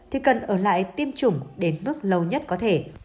thì cần ở lại tiêm chủng đến bước lâu nhất có thể